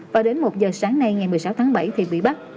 và đến một giờ sáng nay ngày một mươi sáu tháng bảy thì bị bắt